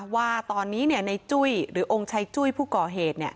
ว่าตอนนี้ในจุ้ยหรือองค์ชัยจุ้ยผู้ก่อเหตุ